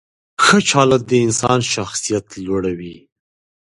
ښه چلند د انسان شخصیت لوړوي.